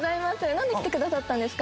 なんで来てくださったんですか？